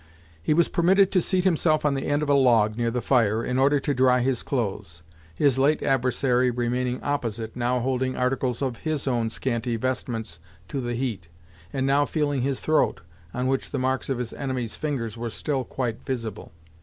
He was permitted to seat himself on the end of a log, near the fire, in order to dry his clothes, his late adversary standing opposite, now holding articles of his own scanty vestments to the heat, and now feeling his throat, on which the marks of his enemy's fingers were still quite visible.